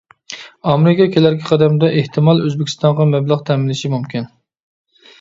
ئامېرىكا كېلەركى قەدەمدە ئېھتىمال ئۆزبېكىستانغا مەبلەغ تەمىنلىشى مۇمكىن.